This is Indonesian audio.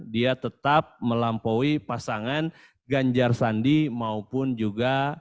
dia tetap melampaui pasangan ganjar sandi maupun juga